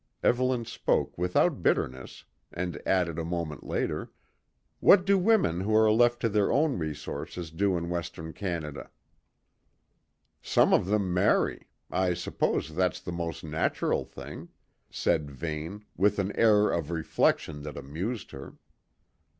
Evelyn spoke without bitterness, and added a moment later: "What do women who are left to their own resources do in Western Canada?" "Some of them marry; I suppose that's the most natural thing," said Vane with an air of reflection that amused her.